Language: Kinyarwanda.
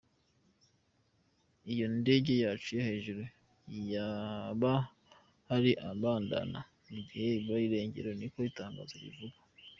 Iyo ndage yaca hejuru y'ibahari Andaman igihe yabura irengero, niko itangazo rivuga.